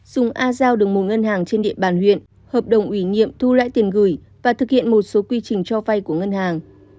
sùng a giao được một ngân hàng trên địa bàn huyện hợp đồng ủy nhiệm thu lại tiền gửi và thực hiện một số quy trình cho vay của ngân hàng